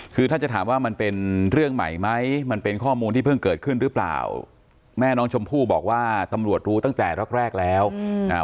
คือถ้าจะถามว่ามันเป็นเรื่องใหม่ไหมมันเป็นข้อมูลที่เพิ่งเกิดขึ้นหรือเปล่าแม่น้องชมพู่บอกว่าตำรวจรู้ตั้งแต่แรกแรกแล้วอืมอ่า